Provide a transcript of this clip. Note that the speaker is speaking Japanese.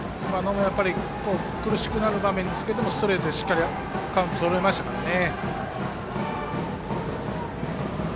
苦しくなる場面ですけどストレートでしっかりカウントを整えましたからね。